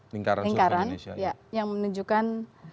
lingkaran yang menunjukkan